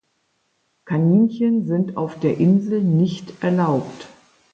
Kaninchen sind auf der Insel nicht erlaubt.